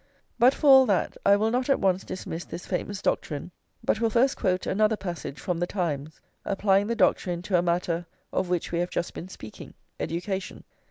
But for all that, I will not at once dismiss this famous doctrine, but will first quote another passage from The Times, applying the doctrine to a matter of which we have just been speaking, education.